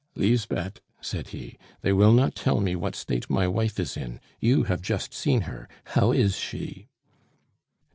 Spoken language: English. "Lisbeth," said he, "they will not tell me what state my wife is in; you have just seen her how is she?"